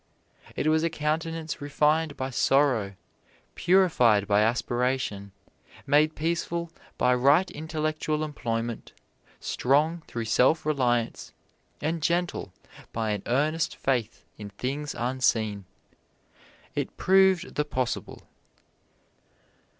It was a countenance refined by sorrow, purified by aspiration, made peaceful by right intellectual employment, strong through self reliance, and gentle by an earnest faith in things unseen. It proved the possible.